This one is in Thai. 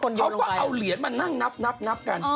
เขาก็เอาเหรียญมานั่งนับกัน